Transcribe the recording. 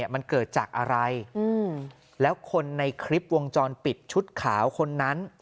มันเกิดจากอะไรแล้วคนในคลิปวงจรปิดชุดขาวคนนั้น